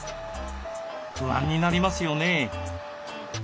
不安になりますよね。